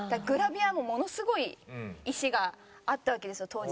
グラビアもものすごい意志があったわけですよ